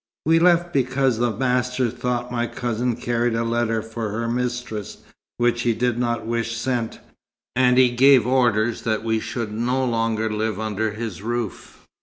We left because the master thought my cousin carried a letter for her mistress, which he did not wish sent; and he gave orders that we should no longer live under his roof."